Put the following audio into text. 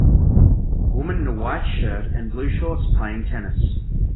Woman in a white shirt and blue shorts playing tennis.